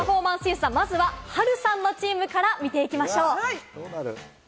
チーム・パフォーマンス審査まずはハルさんのチームから見ていきましょう。